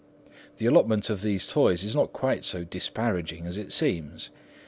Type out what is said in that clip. The allotment of these toys is not quite so disparaging as it seems.